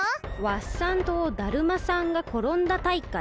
ワッサン島だるまさんがころんだ大会？